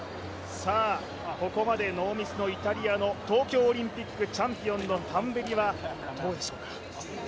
ここまでノーミスの、イタリアの東京オリンピックチャンピオンのタンベリはどうでしょうか？